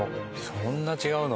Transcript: そんな違うの？